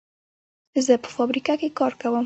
زه په فابریکه کې کار کوم.